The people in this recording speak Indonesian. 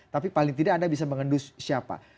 tapi paling tidak anda bisa mengendus siapa